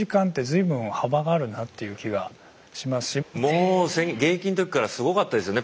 もう現役の時からすごかったですよね